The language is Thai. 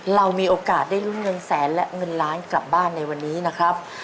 เรามีโอกาสได้ลุ้นเงินแสนและเงินล้านกลับบ้านในวันนี้นะครับ